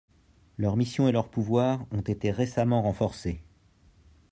Leurs missions et leurs pouvoirs ont été récemment renforcés.